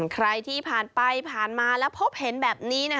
ใครที่ผ่านไปผ่านมาแล้วพบเห็นแบบนี้